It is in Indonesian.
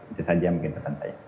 itu saja mungkin pesan saya